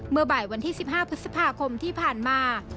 เมื่อบ่ายวันที่๑๕พฤษภาคมที่ผ่านมา